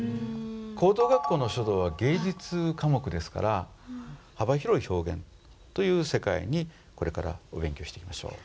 高等学校の書道は芸術科目ですから幅広い表現という世界にこれからお勉強していきましょう。